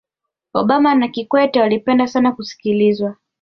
obama na kikwete walipenda sana kusikilizwa